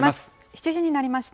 ７時になりました。